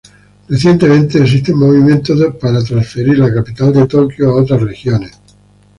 Recientemente, existen movimientos de transferir la capital de Tokio a otras regiones.